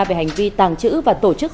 về hành vi tàng trữ và tổ chức